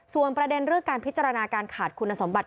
ส่วนประเด็นเรื่องการพิจารณาการขาดคุณสมบัติ